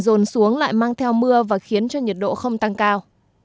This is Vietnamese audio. dồn xuống lại mang theo mưa và khiến cho nhiệt độ không tăng cao